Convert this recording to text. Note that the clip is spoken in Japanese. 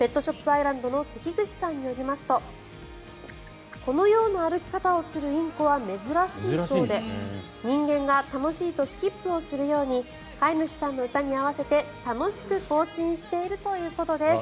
アイランドの関口さんによりますとこのような歩き方をするインコは珍しいそうで人間が楽しいとスキップをするように飼い主さんの歌に合わせて楽しく行進しているということです。